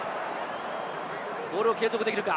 ボールを継続できるか。